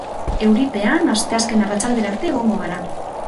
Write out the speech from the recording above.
Euripean asteazken arratsaldera arte egongo gara.